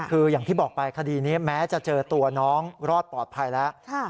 คืออย่างที่บอกไปคดีนี้แม้จะเจอตัวน้องรอดปลอดภัยแล้ว